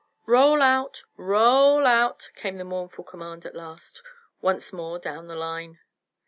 "Roll out! Ro o o ll out!" came the mournful command at last, once more down the line.